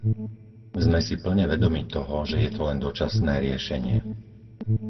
Sme si plne vedomí toho, že je to len dočasné riešenie.